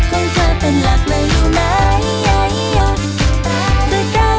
ถ่ายกับหน้าแบบแบบแหละ